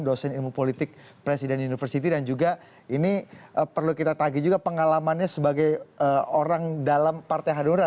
dosen ilmu politik presiden university dan juga ini perlu kita tagih juga pengalamannya sebagai orang dalam partai hanura